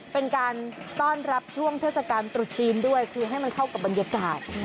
เป็นการต้อนรับช่วงเทศกาลตรุษจีนด้วยคือให้มันเข้ากับบรรยากาศ